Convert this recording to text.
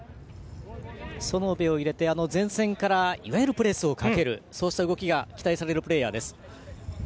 園部を入れて前線からいわゆるプレスをかけるそうした動きが期待されるプレーヤーです。